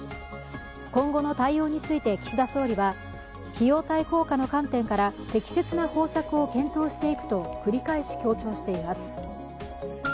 今後の対応について岸田総理は、費用対効果の観点から適切な方策を検討していくと繰り返し強調しています。